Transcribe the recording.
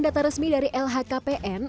data resmi dari lhkpn